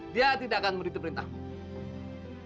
dia tidak akan memberi perintahmu